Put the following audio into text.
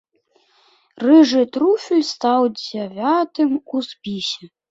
Рыжы труфель стаў дзявятым у спісе.